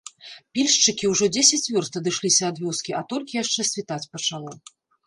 Пільшчыкі ўжо дзесяць вёрст адышліся ад вёскі, а толькі яшчэ світаць пачало.